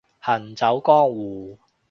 行走江湖